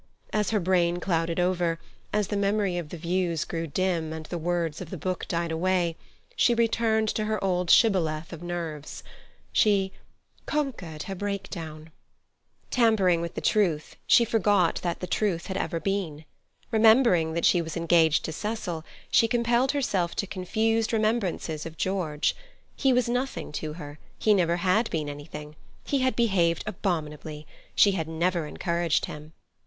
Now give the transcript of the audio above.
As her brain clouded over, as the memory of the views grew dim and the words of the book died away, she returned to her old shibboleth of nerves. She "conquered her breakdown." Tampering with the truth, she forgot that the truth had ever been. Remembering that she was engaged to Cecil, she compelled herself to confused remembrances of George; he was nothing to her; he never had been anything; he had behaved abominably; she had never encouraged him.